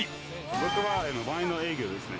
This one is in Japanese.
僕はワインの営業ですね。